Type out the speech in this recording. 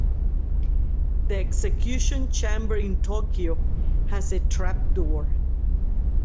The execution chamber in Tokyo has a trap door.